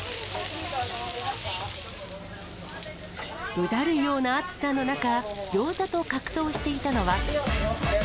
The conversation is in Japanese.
うだるような暑さの中、ギョーザと格闘していたのは。